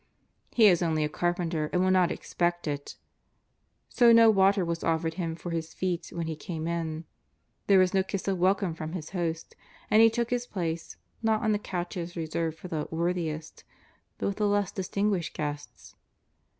He is only a carpenter and will not expect it. So no water was offered Him for His feet when He came in. There was no kiss of welcome from His host, and He took His place, not on the couches reserved for " the worth iest," but with the less distinguished guests.